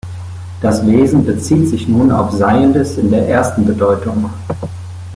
Das Wesen bezieht sich nun auf Seiendes in der ersten Bedeutung.